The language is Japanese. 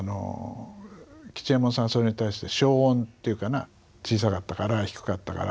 吉右衛門さんはそれに対して小音っていうかな小さかったから低かったから。